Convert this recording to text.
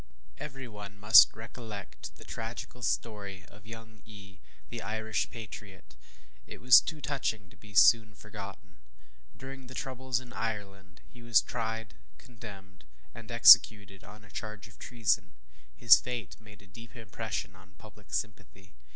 Every one must recollect the tragical story of young E , the Irish patriot; it was too touching to be soon forgotten. During the troubles in Ireland, he was tried, condemned, and executed, on a charge of treason. His fate made a deep impression on public sympathy.